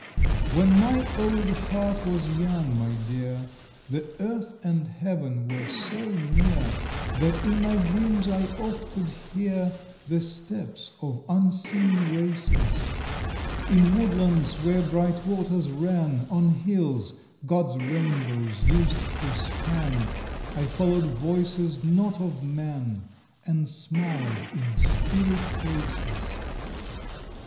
When my old heart was young, my dear, The Earth and Heaven were so near That in my dreams I oft could hear The steps of unseen races; In woodlands, where bright waters ran, On hills, GOD'S rainbows used to span, I followed voices not of man, And smiled in spirit faces.